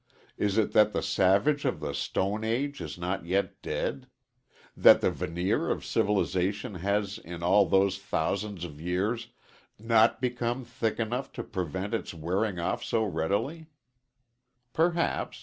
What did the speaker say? Is it that the savage of the stone age is not yet dead? That the veneer of civilization has in all those thousands of years not become thick enough to prevent its wearing off so readily? Perhaps.